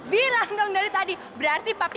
bilang dong dari tadi berarti pakai